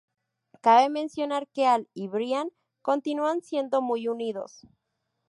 Cabe mencionar que Al y Brian continúan siendo muy unidos.